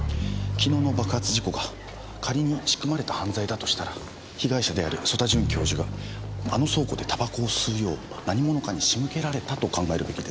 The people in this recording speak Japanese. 昨日の爆発事故が仮に仕組まれた犯罪だとしたら被害者である曽田准教授があの倉庫で煙草を吸うよう何者かに仕向けられたと考えるべきです。